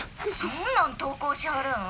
「そんなん投稿しはるん？